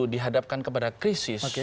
dihadapkan kepada krisis